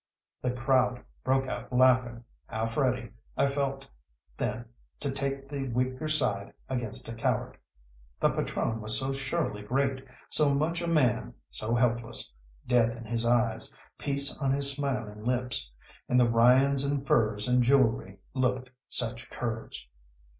The crowd broke out laughing, half ready, I felt then to take the weaker side against a coward. The patrone was so surely great, so much a man, so helpless death in his eyes, peace on his smiling lips; and the Ryans in furs and jewellery looked such curs.